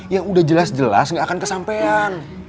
yang udah jelas jelas gak akan kesampean